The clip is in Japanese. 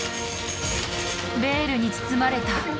ベールに包まれた！